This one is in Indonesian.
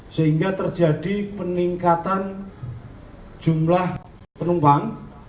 sehingga terjadi peningkatan jumlah penumpang